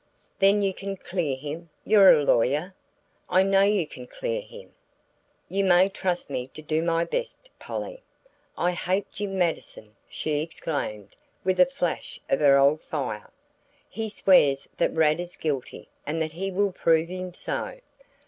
"Then you can clear him you're a lawyer. I know you can clear him!" "You may trust me to do my best, Polly." "I hate Jim Mattison!" she exclaimed, with a flash of her old fire. "He swears that Rad is guilty and that he will prove him so.